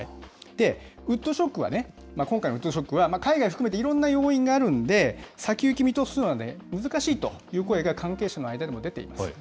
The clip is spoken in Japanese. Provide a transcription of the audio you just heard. ウッドショックは、今回のウッドショックは、海外含めていろんな要因があるんで、先行き見通すのは難しいという声が関係者の間でも出ています。